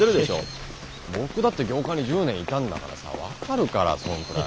僕だって業界に１０年いたんだからさ分かるからそんくらい。